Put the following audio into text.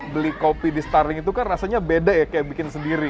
beli kopi di starling itu kan rasanya beda ya kayak bikin sendiri